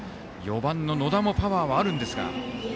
４番の野田もパワーあるんですが。